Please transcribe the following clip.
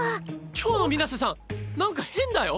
今日の水瀬さんなんか変だよ。